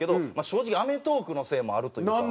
正直『アメトーーク』のせいもあるというか。